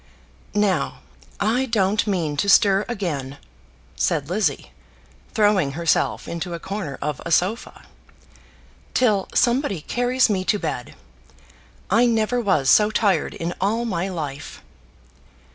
"Now I don't mean to stir again," said Lizzie, throwing herself into a corner of a sofa, "till somebody carries me to bed. I never was so tired in all my life."